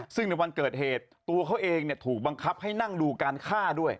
ซึ่งในวันเกิดเหตุตัวเขาเองถูกบังคับให้นั่งดูการฆ่าด้วย